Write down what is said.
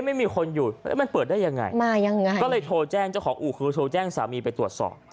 ไม่มีคนอยู่แล้วมันเปิดได้ยังไงมายังไงก็เลยโทรแจ้งเจ้าของอู่คือโทรแจ้งสามีไปตรวจสอบ